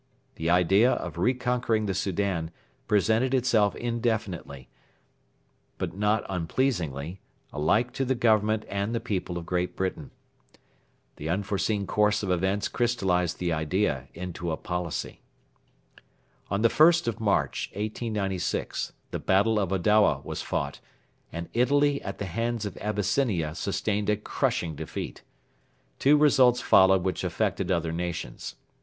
The idea of re conquering the Soudan presented itself indefinitely, but not unpleasingly, alike to the Government and the people of Great Britain. The unforeseen course of events crystallised the idea into a policy. On the 1st of March, 1896, the battle of Adowa was fought, and Italy at the hands of Abyssinia sustained a crushing defeat. Two results followed which affected other nations.